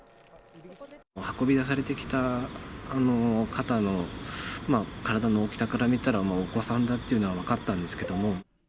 運び出されてきた方の体の大きさから見たら、もうお子さんだっていうのは分かったんですけれども。